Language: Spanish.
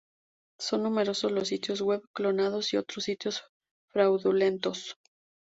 Son numerosos los sitios web clonados y otros sitios fraudulentos.